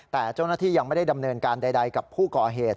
แต่เจ้าหน้าที่ยังไม่ได้ดำเนินการใดกับผู้ก่อเหตุ